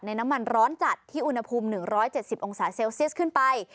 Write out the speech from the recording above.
น้ำมันร้อนจัดที่อุณหภูมิ๑๗๐องศาเซลเซียสขึ้นไป